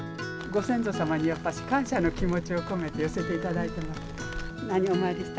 ご先祖様にやっぱり、感謝の気持ちを込めて寄せていただいてます。